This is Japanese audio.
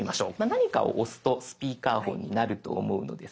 何かを押すとスピーカーフォンになると思うのですが。